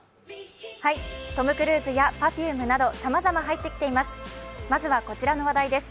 トム・クルーズやＰｅｒｆｕｍｅなどさまざま入ってきています。